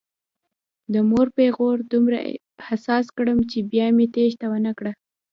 د مور پیغور دومره حساس کړم چې بیا مې تېښته ونه کړه.